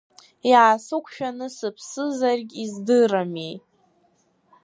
Иаасықәшәаны сыԥсызаргь издырамеи!